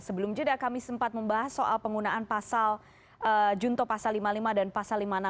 sebelum zero kami sempat membahas soal penggunaan pasal junto pasal lima puluh lima dan pasal lima puluh enam k huapi dalam jeratan yang menjerat baradae